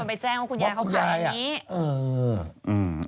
คนไปแจ้งว่าคุณยายเค้าขายอย่างนี้